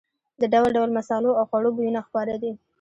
د ډول ډول مسالو او خوړو بویونه خپاره دي.